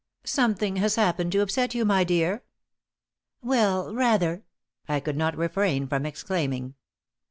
"Something has happened to upset you, my dear?" "Well, rather!" I could not refrain from exclaiming.